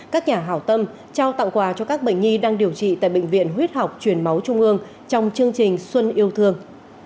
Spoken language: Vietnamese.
các nhà hảo tâm trao tặng quà cho các bệnh nhi đang điều trị tại bệnh viện huyết học truyền máu trung ương trong chương trình xuân yêu thương